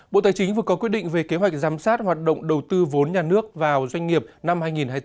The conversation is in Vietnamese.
bộ tài chính vừa có quyết định về kế hoạch giám sát hoạt động đầu tư vốn nhà nước vào doanh nghiệp năm hai nghìn hai mươi bốn